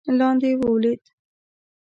لاندې ولوېد.